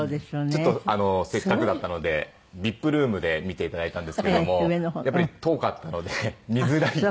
ちょっとせっかくだったのでＶＩＰルームで見て頂いたんですけどもやっぱり遠かったので見づらいと。